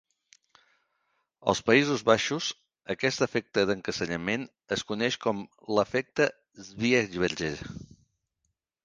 Als Països Baixos, aquest efecte de encasellament es coneix com "l'efecte Swiebertje".